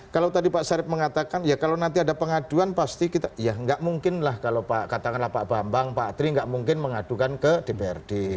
kalau tadi pak sarip mengatakan ya kalau nanti ada pengaduan pasti kita ya nggak mungkin lah kalau pak katakanlah pak bambang pak atri nggak mungkin mengadukan ke dprd